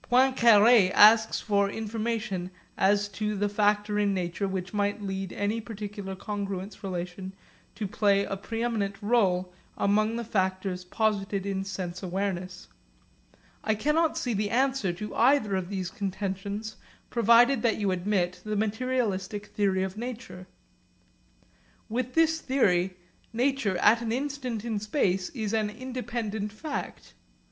Poincaré asks for information as to the factor in nature which might lead any particular congruence relation to play a preeminent rôle among the factors posited in sense awareness. I cannot see the answer to either of these contentions provided that you admit the materialistic theory of nature. With this theory nature at an instant in space is an independent fact.